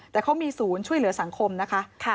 แต่เขามีศูนย์ช่วยเหลือสังคมนะคะ